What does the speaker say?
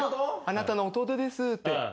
あなたの弟ですって。